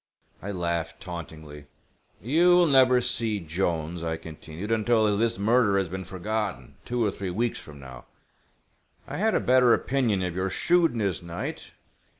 I laughed, tauntingly. "You will never see Jolnes," I continued, "until this murder has been forgotten, two or three weeks from now. I had a better opinion of your shrewdness, Knight.